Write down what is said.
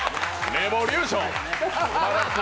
レボリューション！